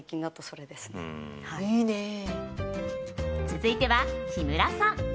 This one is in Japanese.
続いては、木村さん。